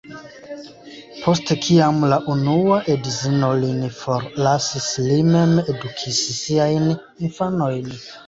Post kiam la unua edzino lin forlasis li mem edukis siajn infanojn.